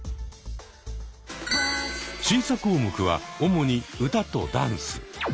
審査項目は主に歌とダンス。